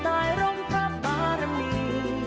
ตายร่องพระบารมี